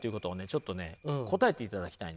ちょっとね答えていただきたいんです。